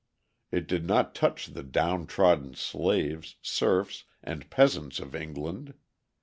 It did not touch the downtrodden slaves, serfs and peasants of England.